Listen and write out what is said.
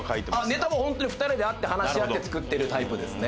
ネタは本当に２人で会って話し合って作ってるタイプですね。